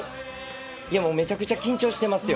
もうめちゃくちゃ緊張してますよ。